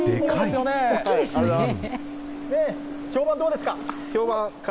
評判、どうですか。